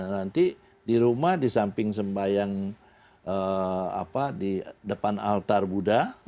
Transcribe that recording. nanti di rumah di samping sembahyang di depan altar buddha